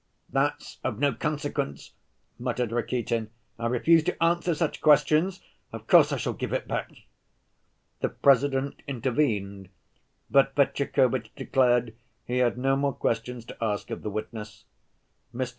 "That's of no consequence," muttered Rakitin, "I refuse to answer such questions.... Of course I shall give it back." The President intervened, but Fetyukovitch declared he had no more questions to ask of the witness. Mr.